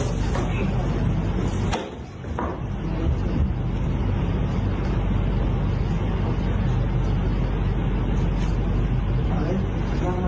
โอ้โหคุณผู้ชมค่ะครับ